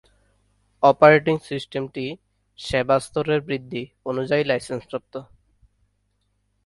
Operating সিস্টেমটি "সেবা স্তরের বৃদ্ধি" অনুযায়ী লাইসেন্স প্রাপ্ত।